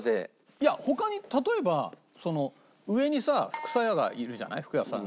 いや他に例えば上にさ福砂屋がいるじゃない。